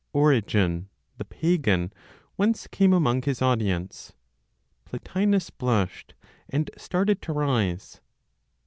Origen (the Pagan) once came among his audience; Plotinos blushed, and started to rise.